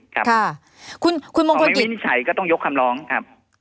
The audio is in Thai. ค่ะคุณมงคลกิจถ้าไม่วินิจฉัยก็ต้องยกคำลองครับ